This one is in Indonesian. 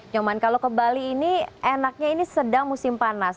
nyoman kalau ke bali ini enaknya ini sedang musim panas